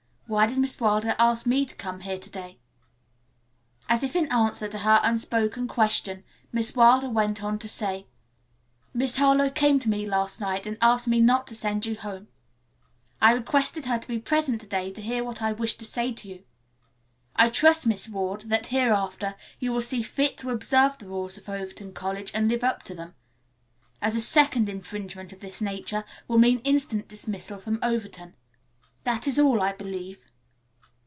"Why did Miss Wilder ask me to come here to day?" As if in answer to her unspoken question, Miss Wilder went on to say, "Miss Harlowe came to me last night and asked me not to send you home. I requested her to be present to day to hear what I wished to say to you. I trust, Miss Ward, that, hereafter, you will see fit to observe the rules of Overton College and live up to them, as a second infringement of this nature will mean instant dismissal from Overton. That is all, I believe."